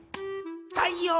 太陽！